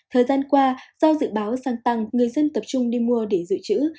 thời gian qua do dự báo xăng tăng người dân tập trung đi mua để dự trữ